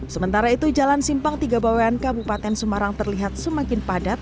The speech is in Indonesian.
sementara itu jalan simpang tiga bawean kabupaten semarang terlihat semakin padat